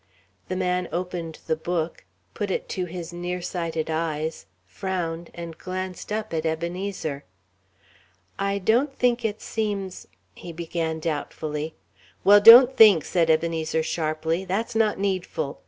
The man opened the book, put it to his nearsighted eyes, frowned, and glanced up at Ebenezer. "I don't think it seems...." he began doubtfully. "Well, don't think," said Ebenezer, sharply; "that's not needful.